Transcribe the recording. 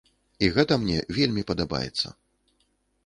І гэта мне вельмі падабаецца.